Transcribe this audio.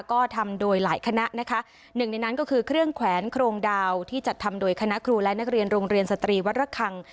ก็ทำโดยหลายคณะนะคะหนึ่งในนั้นก็คือเครื่องแขวนโครงดาวที่จัดทำโดยคณะครูและนักเรียนโรงเรียนสตรีวัดระคัง